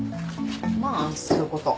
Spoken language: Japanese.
まあそういうこと。